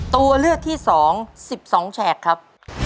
ตัวเลือกที่๒๑๒แฉกครับ